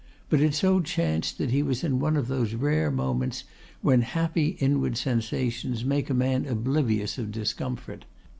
But it so chanced that he was in one of those rare moments when happy inward sensations make a man oblivious of discomfort.